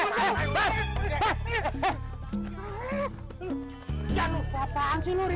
lagi sakit aja mengguna